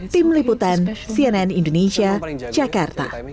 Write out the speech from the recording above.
tim liputan cnn indonesia jakarta